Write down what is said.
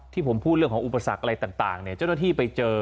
ที่ผมพูดเรื่องของอุปสรรคอะไรต่างเจ้าหน้าที่ไปเจอ